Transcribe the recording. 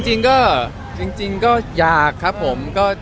จริงก็จริงก็อยากครับผม